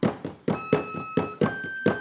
ada sepuluh orang yang telah dihukum